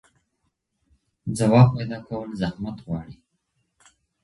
ځواب پيدا کول زحمت غواړي.